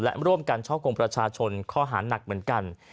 และร่วมกันช่อกงประชาชนข้อหาหนักเหมือนกัน